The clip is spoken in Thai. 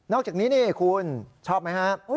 อกจากนี้นี่คุณชอบไหมครับ